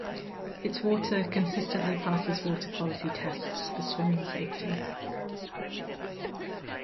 Its water consistently passes water quality tests for swimming safety.